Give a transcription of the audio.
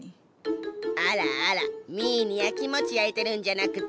あらあらミーにやきもち焼いてるんじゃなくて？